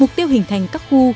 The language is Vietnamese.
mục tiêu hình thành các khu